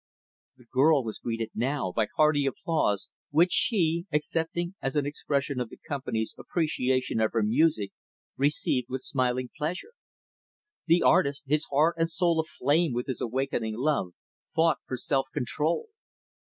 The girl was greeted, now, by hearty applause which she, accepting as an expression of the company's appreciation of her music, received with smiling pleasure. The artist, his heart and soul aflame with his awakening love, fought for self control.